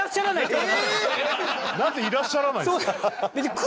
なぜいらっしゃらないんですか？